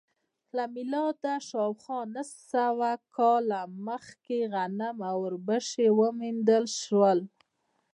له میلاده شاوخوا نهه نیم سوه کاله مخکې غنم او اوربشې وموندل شول